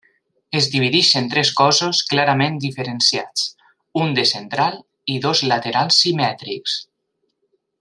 Es divideix en tres cossos clarament diferenciats, un de central i dos laterals simètrics.